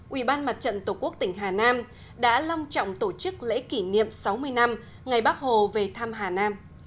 ủy ban mặt trận tổ quốc tỉnh hà nam đã long trọng tổ chức lễ kỷ niệm sáu mươi năm ngày bắc hồ về thăm hà nam